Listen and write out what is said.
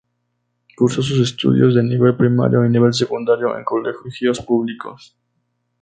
Cursó sus estudios de nivel primario y de nivel secundario en colegios públicos.